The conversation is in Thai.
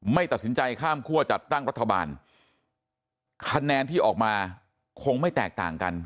ไม่ตัดสินใจข้ามคั่วจัดตั้งรัฐบาลคะแนนที่ออกมาคงไม่แตกต่างกัน